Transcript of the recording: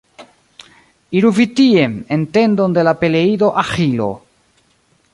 Iru vi tien, en tendon de la Peleido Aĥilo.